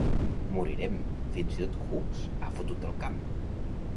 Morirem, fins i tot Hux ha fotut el camp!